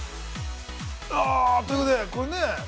◆ということで、これね。